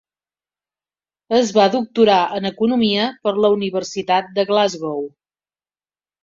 Es va doctorar en economia per la Universitat de Glasgow.